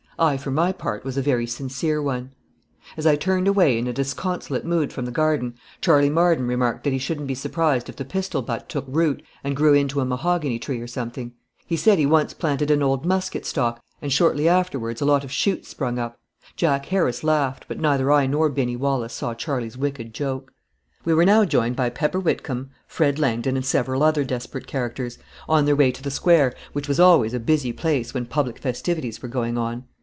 I, for my part, was a very sincere one. As I turned away in a disconsolate mood from the garden, Charley Marden remarked that he shouldn't be surprised if the pistol butt took root and grew into a mahogany tree or something. He said he once planted an old musket stock, and shortly afterwards a lot of shoots sprung up! Jack Harris laughed; but neither I nor Binny Wallace saw Charley's wicked joke. We were now joined by Pepper Whitcomb, Fred Langdon, and several other desperate characters, on their way to the Square, which was always a busy place when public festivities were going on.